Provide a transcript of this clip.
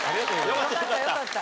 よかったよかった。